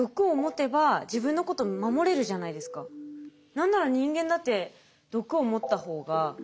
何なら人間だって毒を持った方が守れますよね。